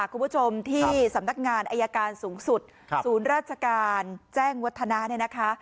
คุณผู้ชมที่สำนักงานอายการสูงสุดศูนย์ราชการแจ้งวัฒนาเนี่ยนะคะ